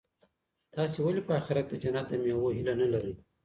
تاسي ولي په اخیرت کي د جنت د مېوو هیله نه لرئ؟